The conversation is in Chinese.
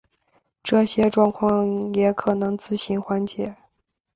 这些状况也可能自行缓解。